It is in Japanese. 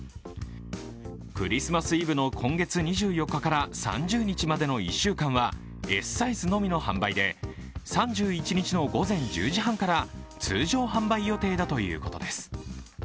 クリスマスイブの今月２４日から３０日までの１週間はＳサイズのみの販売で３１日の午前１０時半から通常販売予定だということです。